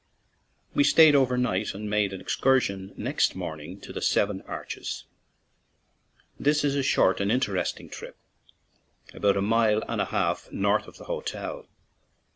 We stayed overnight, and made an ex cursion next morning to the "Seven Arches/' This is a short and interesting trip, about a mile and a half north of the hotel.